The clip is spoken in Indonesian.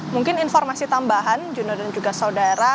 mungkin informasi tambahan juno dan juga saudara